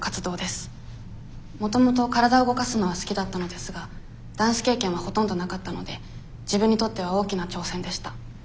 もともと体を動かすのは好きだったのですがダンス経験はほとんどなかったので自分にとっては大きな挑戦でした。